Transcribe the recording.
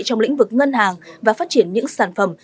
trong lĩnh vực ngân hàng và phát triển những sản phẩm